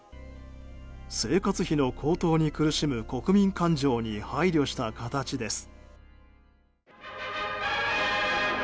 生活費の高騰に苦しむ国民感情に配慮した形です。